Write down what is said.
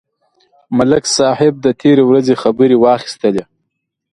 ملک صاحب د تېرې ورځې خبرې واخیستلې.